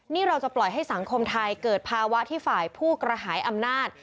นี่เราจะปล่อยให้สังคมไทยเกิดภาวะที่ฝ่ายผู้กระหายอำนาจ